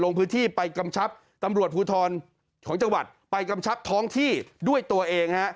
ลงพื้นที่ไปกำชับตำรวจภูทรของจังหวัดไปกำชับท้องที่ด้วยตัวเองฮะ